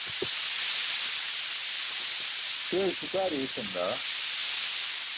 Śeyo śikaari écaan daa!